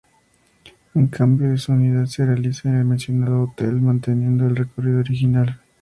El cambio de unidad se realiza en el mencionado hotel, manteniendo el recorrido original.